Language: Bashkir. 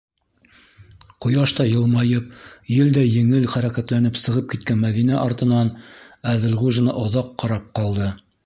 Ҡояштай йылмайып, елдәй еңел хәрәкәтләнеп сығып киткән Мәҙинә артынан Әҙелғужина оҙаҡ ҡарап ҡалды.